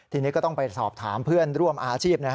ทีนี้ก็ต้องไปสอบถามเพื่อนร่วมอาชีพ